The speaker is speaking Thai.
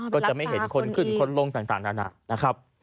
ก็จะไม่เห็นคนขึ้นคนลงต่างระดับ